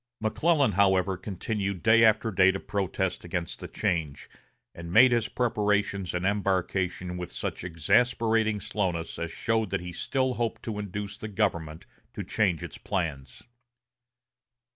McClellan, however, continued day after day to protest against the change, and made his preparations and embarkation with such exasperating slowness as showed that he still hoped to induce the government to change its plans.